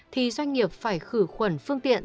thì doanh nghiệp phải khử khuẩn phương tiện